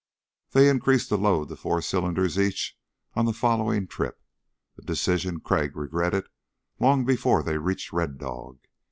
They increased the load to four cylinders each on the following trip, a decision Crag regretted long before they reached Red Dog.